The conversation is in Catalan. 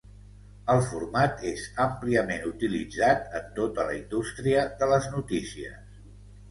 El format és àmpliament utilitzat en tota la indústria de les notícies.